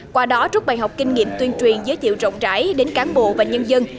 qua đó rút bài học kinh nghiệm tuyên truyền giới thiệu rộng rãi đến cán bộ và nhân dân